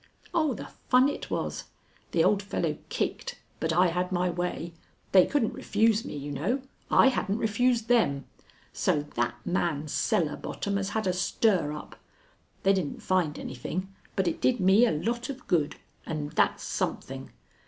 Oh, the fun it was! The old fellow kicked, but I had my way. They couldn't refuse me, you know; I hadn't refused them. So that man's cellar bottom has had a stir up. They didn't find anything, but it did me a lot of good, and that's something.